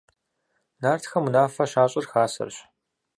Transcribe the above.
Нартхэм унафэ щащӀыр хасэрщ.